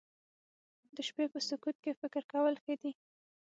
د شپې په سکوت کې فکر کول ښه دي